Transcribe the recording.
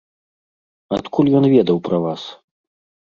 Адкуль ён ведаў пра вас?